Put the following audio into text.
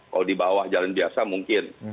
kalau di bawah jalan biasa mungkin